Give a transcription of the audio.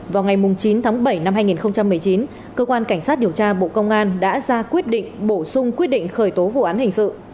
vào ngày chín tháng bảy năm hai nghìn một mươi chín cơ quan cảnh sát điều tra bộ công an đã ra quyết định bổ sung quyết định khởi tố vụ án hình sự